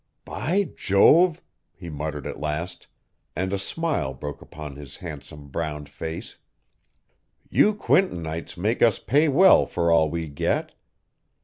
"By Jove!" he muttered at last; and a smile broke upon his handsome, browned face. "You Quintonites make us pay well for all we get.